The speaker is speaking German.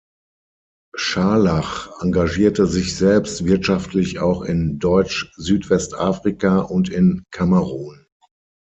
Scharlach engagierte sich selbst wirtschaftlich auch in Deutsch-Südwestafrika und in Kamerun.